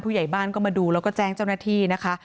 ผู้ใหญ่บ้านก็มาดูแล้วก็แจ้งเจ้าหน้าที่นะคะ